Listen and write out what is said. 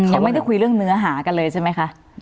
ยังไม่ได้คุยเรื่องเนื้อหากันเลยใช่ไหมคะ